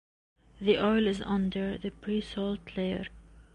The oil is under the pre-salt layer.